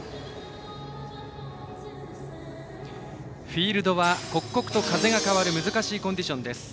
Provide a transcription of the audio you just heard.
フィールドは刻々と風が変わる難しいコンディションです。